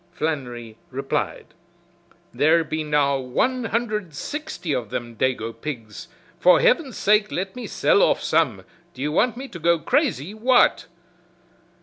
Flannery replied: "There be now one hundred sixty of them dago pigs, for heavens sake let me sell off some, do you want me to go crazy, what."